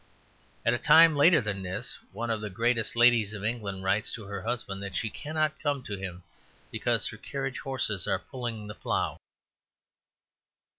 At a time later than this, one of the greatest ladies of England writes to her husband that she cannot come to him because her carriage horses are pulling the plough.